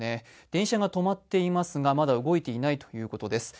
電車が止まっていますがまだ動いていないということです。